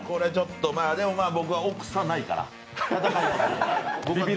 でもまあ僕は臆さないから。